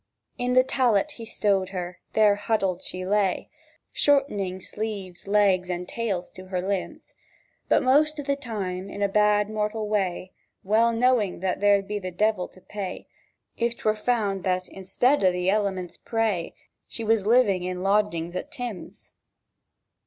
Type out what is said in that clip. In the tallet he stowed her; there huddied she lay, Shortening sleeves, legs, and tails to her limbs; But most o' the time in a mortal bad way, Well knowing that there'd be the divel to pay If 'twere found that, instead o' the elements' prey, She was living in lodgings at Tim's.